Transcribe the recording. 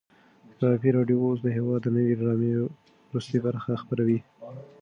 د کبابي راډیو اوس د هېواد د نوې ډرامې وروستۍ برخه خپروي.